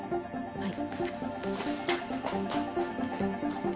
・はい。